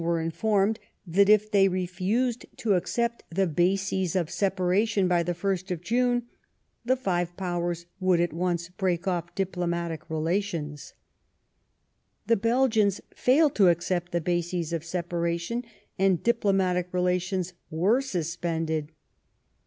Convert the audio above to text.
were informed that if they refosed to accept the baaes of separation by the Ist of June the five Powers would at once break off diplomatic relations. The Belgians failed to accept the bases of separation, and diplomatic relations were suspended.